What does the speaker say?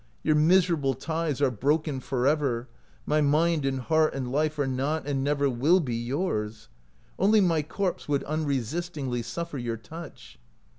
Your miserable ties are broken forever. My mind and heart and life are not, and never will be, yours. Only my corpse would unresistingly suffer your touch."